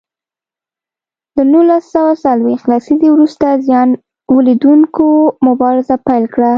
له نولس سوه څلویښت لسیزې وروسته زیان ولیدوونکو مبارزه پیل کړه.